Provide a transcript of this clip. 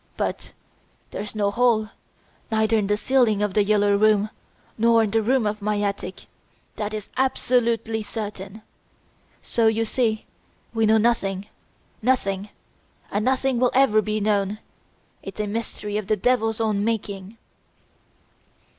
But there's no hole, neither in the ceiling of "The Yellow Room" nor in the roof of my attic that's absolutely certain! So you see we know nothing nothing! And nothing will ever be known! It's a mystery of the Devil's own making."